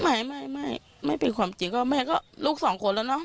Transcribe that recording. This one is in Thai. ไม่ไม่เป็นความจริงก็แม่ก็ลูกสองคนแล้วเนอะ